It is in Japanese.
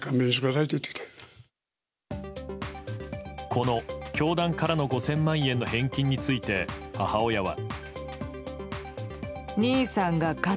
この教団からの５０００万円の返金について母親は。